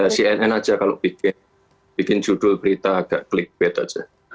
ya cnn aja kalau bikin judul berita agak klikbait aja